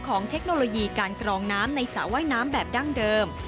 เทคโนโลยีการกรองน้ำในสระว่ายน้ำแบบดั้งเดิม